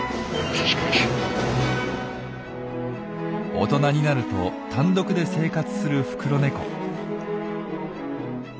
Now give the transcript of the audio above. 大人になると単独で生活するフクロネコ。